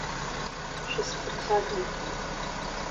Шәысԥырхагамхан!